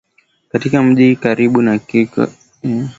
katika mji karibu na Circus na kusababisha frenzy